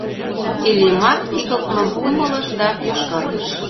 Иллимар игылтмым умылыш да йошкаргыш.